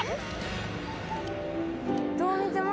どう見ても